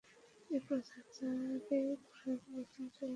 এ প্রথা তারাই সর্বপ্রথম চালু করে।